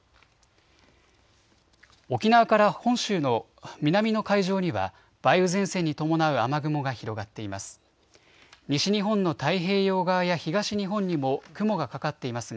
沖縄から本州の南の海上には梅雨前線に伴う雨雲が広がっています。